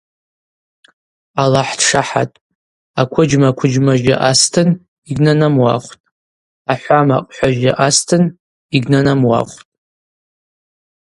Алахӏ дшахӏатпӏ, аквыджьма квыджьмажьы астын – йгьнанамуахвтӏ, ахӏвамакъ хӏважьы астын – йгьнанамуахвтӏ.